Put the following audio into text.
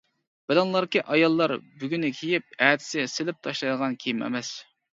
بىلىڭلاركى، ئاياللار بۈگۈنى كىيىپ، ئەتىسى سېلىپ تاشلايدىغان كىيىم ئەمەس.